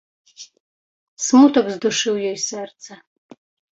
Смутак здушыў ёй сэрца.